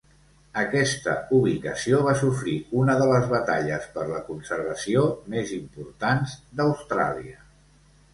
Aquesta ubicació va sofrir una de les batalles per la conservació més importants d'Austràlia.